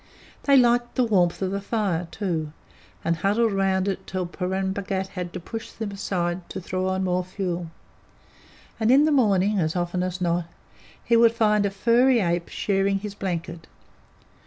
They liked the warmth of the fire, too, and huddled round it till Purun Bhagat had to push them aside to throw on more fuel; and in the morning, as often as not, he would find a furry ape sharing his blanket.